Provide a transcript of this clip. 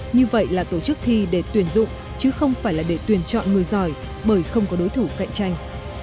như vậy là tổ chức thi để tuyển dụng chứ không phải là để tuyển chọn người giỏi bởi không có đối thủ cạnh tranh